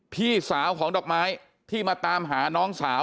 พี่สาวของดอกไม้ที่มาตามหาน้องสาว